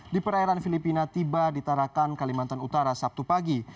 di perairan filipina tiba di tarakan kalimantan utara sabtu pagi